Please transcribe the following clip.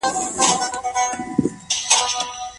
موږ به تر سبا پورې د غنمو ریبل پای ته ورسوو.